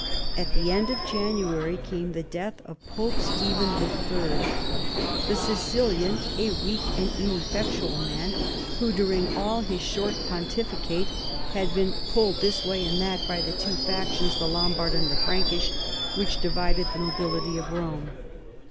At the end of Jan uary came the death of Pope Stephen III., the Sicil ian, a weak and ineffectual man, who during all his short pontificate had been pulled this way and that by the two factions, the Lombard and the Frankish, which divided the nobility of Eome.